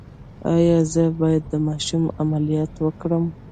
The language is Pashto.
ایا زه باید د ماشوم عملیات وکړم؟